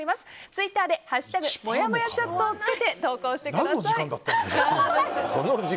ツイッターで「＃もやもやチャット」を付けて投稿してください。